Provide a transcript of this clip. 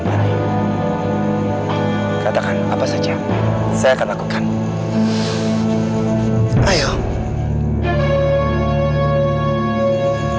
tapi kamu jauh lebih penuh berarti